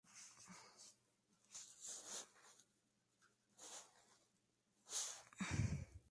Las hembras son relativamente más grandes que los machos.